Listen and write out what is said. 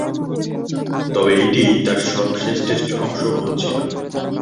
তবে, এটিই তার সর্বশেষ টেস্টে অংশগ্রহণ ছিল।